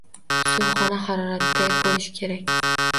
Suv xona xaroratiday bo`lishi kerak